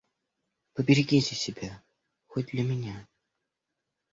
Поберегите себя хоть для меня».